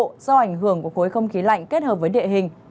do ảnh hưởng của khối không khí lạnh kết hợp với địa hình